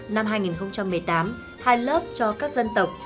năm hai nghìn một mươi tám hai lớp cho các dân tộc